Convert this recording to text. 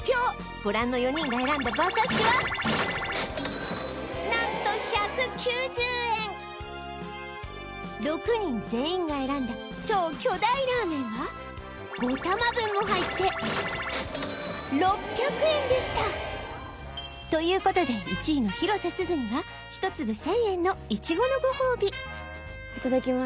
ご覧の４人が選んだ馬刺しは何と６人全員が選んだ超巨大ラーメンは５玉分も入ってということで１位の広瀬すずには１粒１０００円のイチゴのご褒美いただきます